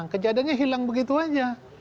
kejadiannya hilang begitu saja